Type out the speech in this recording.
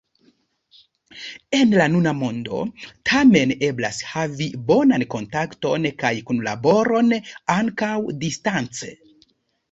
En la nuna mondo tamen eblas havi bonan kontakton kaj kunlaboron ankaŭ distance.